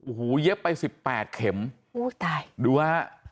โอ้โหเย็บไป๑๘เข็มโอ้ตายดูฮะ